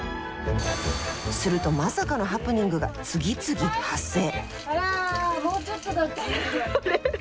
するとまさかのハプニングが次々発生！